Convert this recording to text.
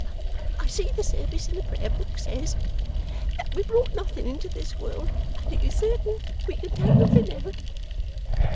I see the service in the Prayer book says, that we brought nothing into this world and it is certain we can take nothing out.